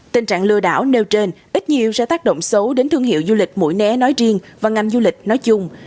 tình trạng lừa đảo nêu trên ít nhiều sẽ tác động xấu đến thương hiệu du lịch mũi né nói riêng và ngành du lịch nói chung